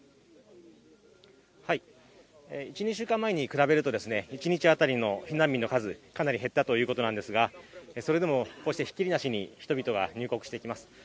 １２週間前に比べると、一日当たりの避難民の数、かなり減ったということなんですが、それでもこうしてひっきりなしに人々が入国してきます。